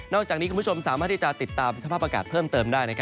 อกจากนี้คุณผู้ชมสามารถที่จะติดตามสภาพอากาศเพิ่มเติมได้